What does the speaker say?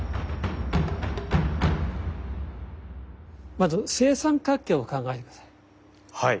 まず正三角形を考えて下さい。